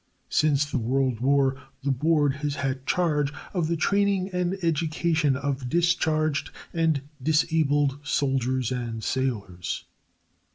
Since the World War the Board has had charge of the training and education of discharged and disabled soldiers and sailors.